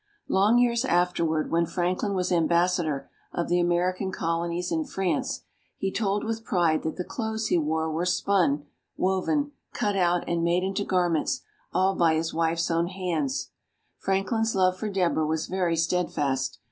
Long years afterward, when Franklin was Ambassador of the American Colonies in France, he told with pride that the clothes he wore were spun, woven, cut out, and made into garments all by his wife's own hands. Franklin's love for Deborah was very steadfast.